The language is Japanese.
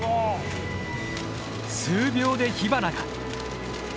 数秒で火花が。